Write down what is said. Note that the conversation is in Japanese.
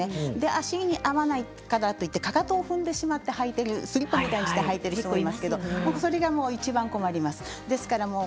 足に合わないからといってかかとを踏んでしまってスリッパのように履いている人がいますけど、それがいちばん困ります。